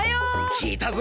きいたぞ。